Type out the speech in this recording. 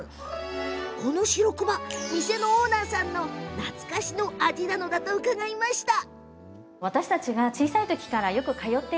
このしろくま店のオーナーさんの懐かしの味なんだというのを伺いました。